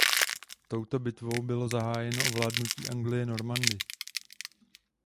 Touto bitvou bylo zahájeno ovládnutí Anglie Normany.